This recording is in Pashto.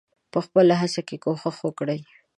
په خپله هڅه کې کوښښ وکړئ.